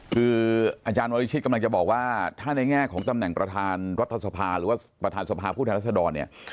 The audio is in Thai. คืออาจารย์วริชิตกำลังจะบอกว่าถ้าในแง่ของตำแหน่งประธานรัฐสภาหรือว่าประธานสภาผู้แทนรัศดรเนี่ย